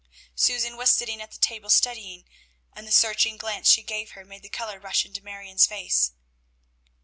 Susan was sitting at the table studying, and the searching glance she gave her made the color rush into Marion's face.